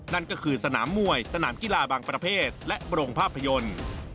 นั่นก็คือสนามมวยสนามกีฬาบางประเภทและโรงภาพยนตร์